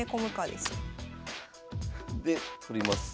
で取ります。